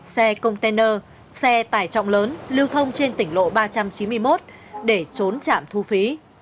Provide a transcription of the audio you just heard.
xe container xe tải trọng lớn lưu thông trên tỉnh lộ ba trăm chín mươi một để trốn chạm thu phí